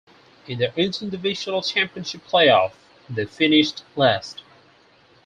In the inter-divisional championship play-off, they finished last.